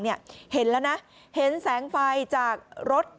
เห็นแล้วนะเห็นแสงไฟจากรถ